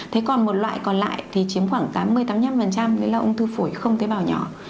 thế còn một loại còn lại thì chiếm khoảng tám mươi tám mươi năm đấy là ung thư phổi không tế bào nhỏ